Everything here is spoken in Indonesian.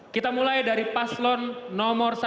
kita mulai dari paslon nomor satu